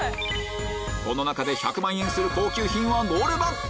この中で１００万円する高級品はどれだ？